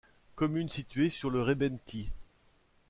Commune située sur le Rébenty.